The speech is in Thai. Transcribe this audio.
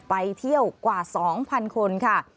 ไปเที่ยวกว่า๒๐๐๐คนค่ะ